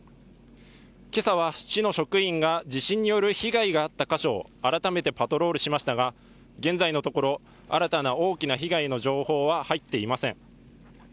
けさは市の職員が地震による被害があった箇所をあらためてパトロールしましたが現在のところ新たな大きな被害の情報は入ってません。